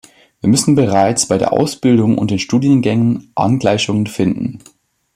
Wir müssen bereits bei der Ausbildung und den Studiengängen Angleichungen finden.